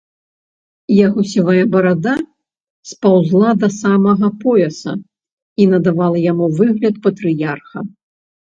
Яго сівая барада спаўзала да самага пояса і надавала яму выгляд патрыярха.